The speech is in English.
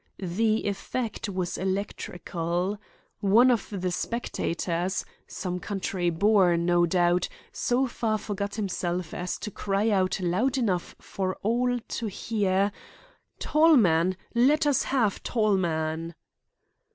The effect was electrical. One of the spectators—some country boor, no doubt—so far forgot himself as to cry out loud enough for all to hear: "Tallman! Let us have Tallman!"